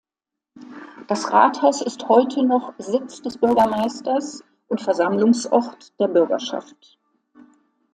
Das Rathaus ist heute noch Sitz des Bürgermeisters und Versammlungsort der Bürgerschaft.